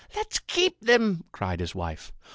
"Let's keep them!" cried his wife.